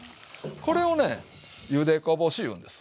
これをね「ゆでこぼし」言うんです。